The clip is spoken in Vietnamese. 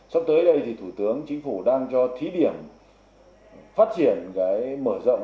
sắp tới đây thì thủ tướng chính phủ đang cho thí điểm phát triển cái mở rộng